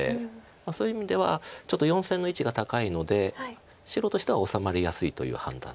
そういう意味ではちょっと４線の位置が高いので白としては治まりやすいという判断ですよね。